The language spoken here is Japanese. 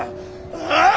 ああ？